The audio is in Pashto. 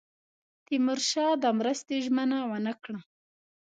تیمورشاه د مرستې ژمنه ونه کړه.